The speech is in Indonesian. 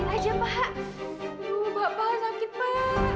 aduh pak pak sakit pak